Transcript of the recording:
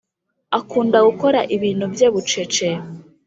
Akunda gukora ibintu bye bucece